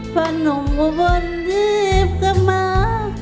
เพราะหนุ่มอุบลรีบก็มา